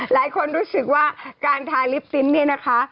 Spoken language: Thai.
หลายคนรู้สึกว่าการทาลิปปิ๊นต์เนี่ยนะคะ